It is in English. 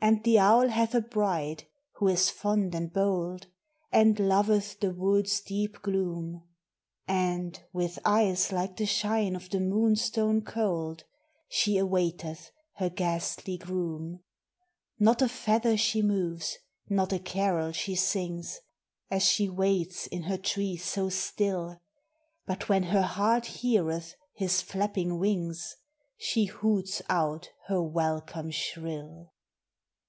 And the owl hath a bride, who is fond and bold, And loveth the wood's deep gloom; And, with eyes like the shine of the moonstone cold, She awaiteth her ghastly groom; Not a feather she moves, not a carol she sings, As she waits in her tree so still ; But when her heart heareth his flapping wings, She hoots out her welcome shrill